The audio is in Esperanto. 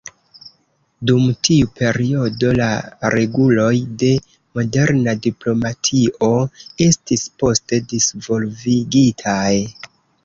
Dum tiu periodo la reguloj de moderna diplomatio estis poste disvolvigitaj.